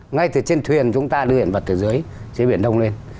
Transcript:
ngay từ trên thuyền chúng ta đưa hiện vật từ dưới dưới biển đông lên